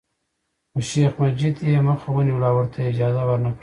خو شیخ مجید یې مخه ونیوله او ورته یې اجازه ورنکړه.